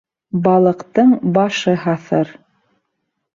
Балыҡтың башы һаҫыр